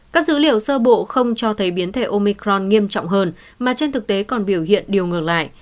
các dữ liệu sơ bộ không cho thấy biến thể omicron nghiêm trọng hơn mà trên thực tế còn biểu hiện điều ngược lại